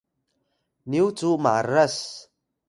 Rimuy: nyu cu maras